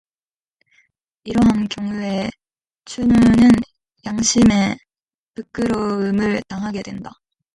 이러한 경우에 춘우는 양심의 부끄러움을 당하게 된다.